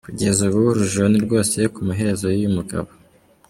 Kugeza ubu urujijo ni rwose ku maherezo y’uyu mugabo.